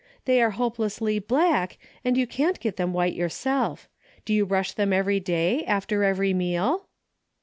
They are hopelessly black, and you can't get them white yourself. Do you brush them every day, after every meal